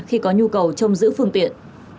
khi có nhu cầu trông giữ phương tiện